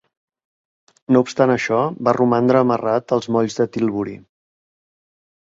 No obstant això, va romandre amarrat als molls de Tilbury.